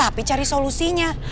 tapi cari solusinya